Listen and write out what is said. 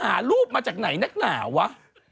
หารูปมาจากไหนนักหนาวะ